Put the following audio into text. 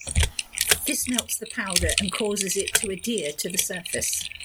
This melts the powder and causes it to adhere to the surface.